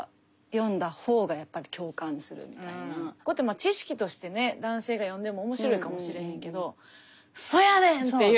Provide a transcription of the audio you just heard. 知識としてね男性が読んでも面白いかもしれへんけどそうやねん！っていう。